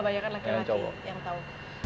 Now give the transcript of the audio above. kebanyakan laki laki yang tahu